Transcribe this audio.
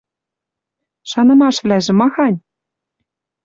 Шанымашвлӓжы махань?